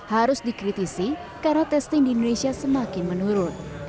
harus dikritisi karena testing di indonesia semakin menurun